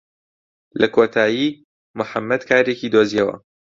لە کۆتایی موحەممەد کارێکی دۆزییەوە.